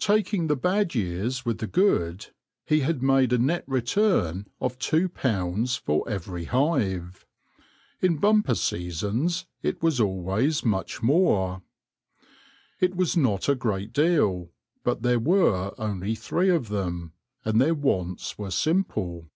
Taking the bad years with the good, he had made a net return of £2 for every hive ; in bumper seasons it was always much more. It was not a great deal, but there were only three of them, and their wants were simple.